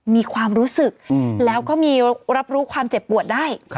มีความรู้สึกแล้วก็มีรับรู้ความเจ็บปวดได้